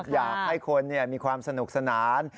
อยากให้คนมีความสนุกสนาน